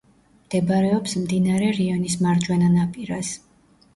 მდებარეობს მდინარე რიონის მარჯვენა ნაპირას.